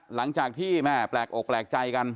หลังจากที่แม่แปลกอกแปลกใจกัน